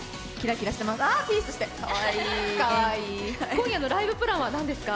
今夜のライブプランはどうですか？